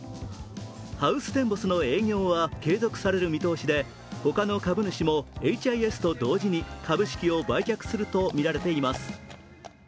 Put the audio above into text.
ハウステンボスの営業は継続される見通しで他の株主もエイチ・アイ・エスと同時に株式を売却するとみられています。